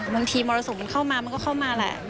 บางทีมรสงฆ์มันเข้ามามันก็เข้ามาแหละ